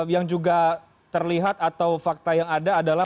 yang juga terlihat atau fakta yang ada adalah